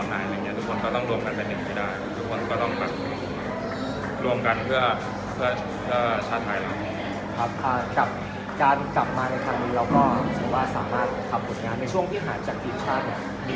กับการกลับมาในครั้งนี้เราก็คิดว่าสามารถขับผลงานในช่วงที่หาจักรีมชาติมีพอบ้างไหมครับในช่วงนั้น